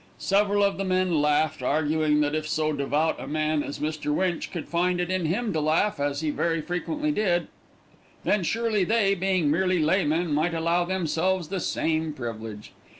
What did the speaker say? Several of the men laughed, arguing that if so devout a man as Mr. Winch could find it in him to laugh, as he very frequently did, then surely they, being merely laymen, might allow themselves the same privilege.